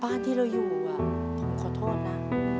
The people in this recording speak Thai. บ้านที่เราอยู่ผมขอโทษนะ